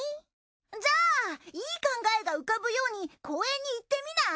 じゃあいい考えが浮かぶように公園に行ってみない？